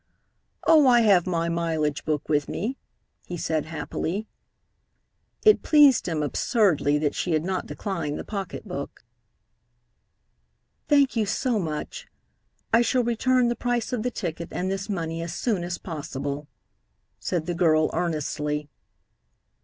"Oh, I have my mileage book with me," he said happily. It pleased him absurdly that she had not declined the pocketbook. "Thank you so much. I shall return the price of the ticket and this money as soon as possible," said the girl earnestly.